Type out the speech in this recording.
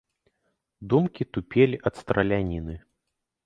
Думкі тупелі ад страляніны.